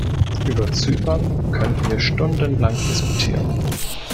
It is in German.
Über Zypern könnten wir stundenlang diskutieren.